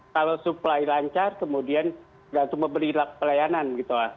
kalau supply lancar kemudian berarti memberi pelayanan gitu lah